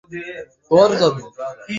মুখে কিছু মেখেছ নাকি?